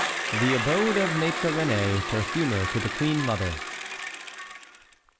THE ABODE OF MAÎTRE RÉNÉ, PERFUMER TO THE QUEEN MOTHER.